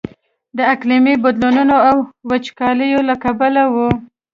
د اقلیمي بدلونونو او وچکاليو له کبله و.